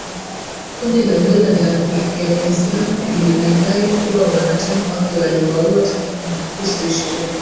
Kundi la dola ya Kiislamu lilidai kuwa wanachama wake waliwaua takribani wakristo ishirini